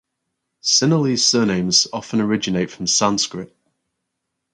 Sinhalese surnames often originate from Sanskrit.